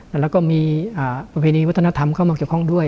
แล้วก็มีประเพณีวัฒนธรรมเข้ามาเกี่ยวข้องด้วย